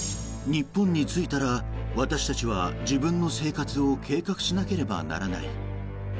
日本に着いたら私たちは自分の生活を計画しなければならない。